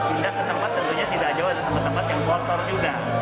pindah ke tempat tentunya tidak jauh dari tempat tempat yang kotor juga